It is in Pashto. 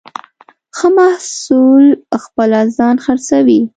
ښه محصول خپله ځان خرڅوي.